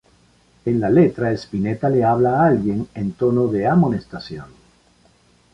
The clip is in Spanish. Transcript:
En la letra Spinetta le habla a alguien en tono de amonestación.